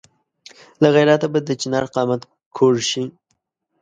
له غیرته به د چنار قامت کږ شي.